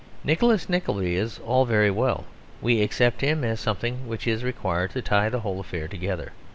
Nicholas Nickleby is all very well; we accept him as something which is required to tie the whole affair together.